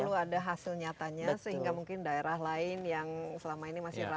perlu ada hasil nyatanya sehingga mungkin daerah lain yang selama ini masih ramai